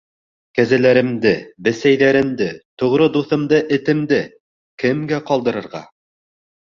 Кәзәләремде, бесәйҙәремде, тоғро дуҫымды — этемде — кемгә ҡалдырырға?